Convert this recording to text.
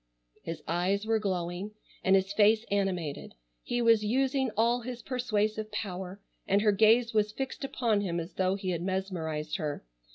His eyes were glowing and his face animated. He was using all his persuasive power, and her gaze was fixed upon him as though he had mesmerized her.